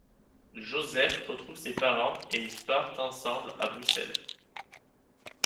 Joseph retrouve ses parents et ils partent ensemble à Bruxelles.